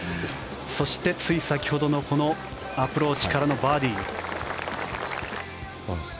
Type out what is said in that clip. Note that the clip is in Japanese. そして、つい先ほどのこのアプローチからのバーディー。